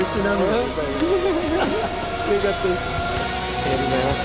ありがとうございます。